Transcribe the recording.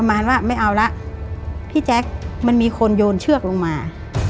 มันมีคนโยนเชือกลงแล้ว